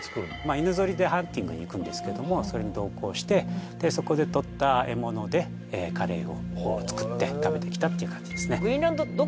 犬ぞりでハンティングに行くんですけどそれに同行してでそこでとった獲物でカレーを作って食べてきたっていう感じですね